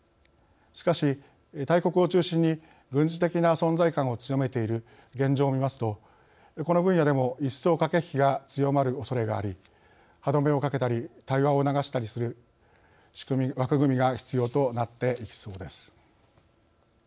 しかし、大国を中心に軍事的な存在感を強めている現状をみますとこの分野でも一層駆け引きが強まるおそれがあり歯止めをかけたり対話を促したりする枠組みが必要となっていきそうです。